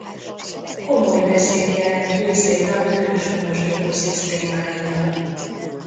Komoly veszélyt jelent Új-Zéland őshonos ökoszisztémáira.